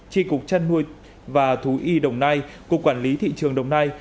tri cục trăn nuôi và thú y đồng nai cục quản lý thị trường đồng nai